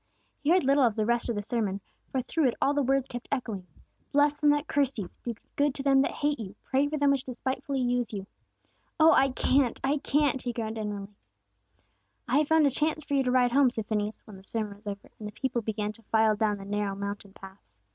He heard little of the rest of the sermon, for through it all the words kept echoing, "Bless them that curse you! Do good to them that hate you! Pray for them which despitefully use you!" "Oh, I can't! I can't!" he groaned inwardly. "I have found a chance for you to ride home," said Phineas, when the sermon was over, and the people began to file down the narrow mountain paths.